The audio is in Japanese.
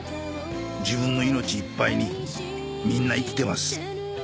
自分の命いっぱいにみんな生きてます。